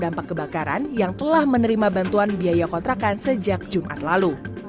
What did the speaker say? dampak kebakaran yang telah menerima bantuan biaya kontrakan sejak jumat lalu